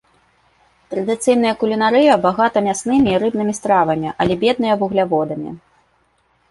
Традыцыйная кулінарыя багата мяснымі і рыбнымі стравамі, але бедная вугляводамі.